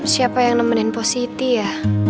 siapa yang nemenin positif ya